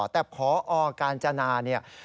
แต่ขอออการจนาเนี่ย